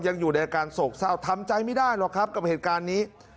ยังอยู่ในอาการโศกเศร้าทำใจไม่ได้หรอกครับกับเหตุการณ์นี้